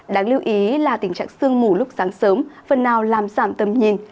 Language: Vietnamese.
đáng lưu ý là tình trạng sương mù lúc sáng sớm phần nào làm giảm tầm nhìn